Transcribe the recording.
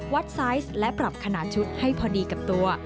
ไซส์และปรับขนาดชุดให้พอดีกับตัว